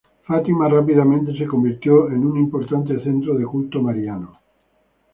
Fátima rápidamente se convirtió en un importante centro de culto mariano.